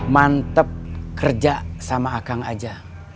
mantap kerja sama akang saja